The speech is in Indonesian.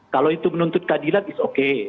kalau itu menuntut keadilan it's oke